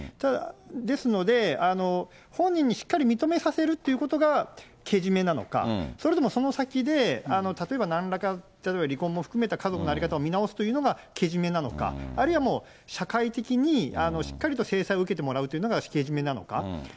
ですので、本人にしっかり認めさせるということがけじめなのか、それともその先で、例えばなんらか、例えば離婚も含めた家族の在り方を見直すというのがけじめなのか、あるいはもう社会的にしっかりと制裁を受けてもらうというのがけじめなのか。